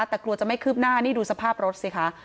แต่กลัวจะไม่คืบหน้านี่ดูสภาพรถสิคะ